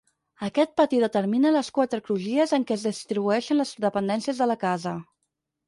Aquest pati determina les quatre crugies en què es distribueixen les dependències de la casa.